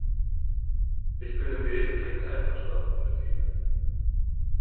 Ich bin im wesentlichen einverstanden mit ihnen.